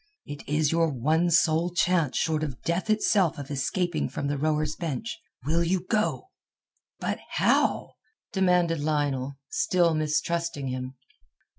It is your one sole chance short of death itself of escaping from the rower's bench. Will you go?" "But how?" demanded Lionel, still mistrusting him.